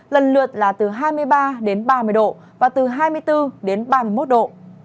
lần lượt là từ hai mươi ba đến ba mươi độ và từ hai mươi bốn đến ba mươi một độ